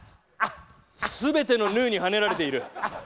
すべてのヌーにはねられている。